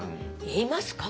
言いますか？